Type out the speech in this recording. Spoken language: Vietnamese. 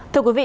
thưa quý vị